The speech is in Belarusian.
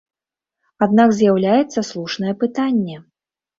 Аднак, з'яўляецца слушнае пытанне.